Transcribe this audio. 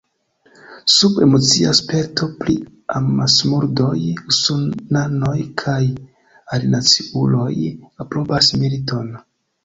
Sub emocia sperto pri amasmurdoj usonanoj kaj alinaciuloj aprobas militon.